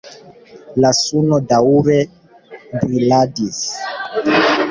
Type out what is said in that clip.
La suno daŭre briladis.